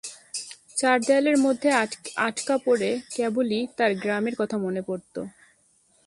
চার দেয়ালের মধ্যে আটকা পড়ে কেবলই তার গ্রামের কথা মনে পড়ত।